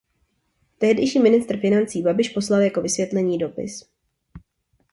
Tehdejší ministr financí Babiš poslal jako vysvětlení dopis.